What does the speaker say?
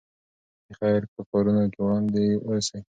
د خیر په کارونو کې وړاندې اوسئ.